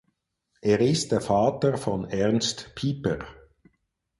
Er ist der Vater von Ernst Piper.